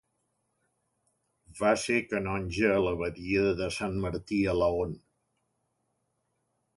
Va ser canonge a l'abadia de Sant Martí a Laon.